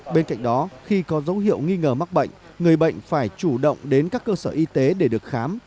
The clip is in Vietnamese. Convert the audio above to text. bên cạnh đó khi có dấu hiệu nghi ngờ mắc bệnh người bệnh phải chủ động đến các cơ sở y tế để được khám